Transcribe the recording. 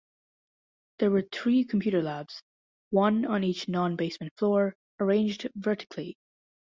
There were three computer labs: one on each non-basement floor, arranged vertically.